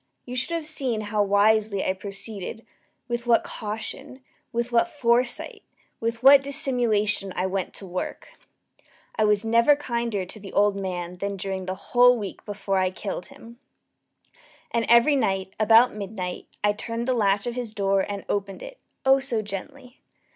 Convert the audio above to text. You should have seen how wisely I proceeded with what caution with what foresight with what dissimulation I went to work! I was never kinder to the old man than during the whole week before I killed him. And every night, about midnight, I turned the latch of his door and opened it oh so gently!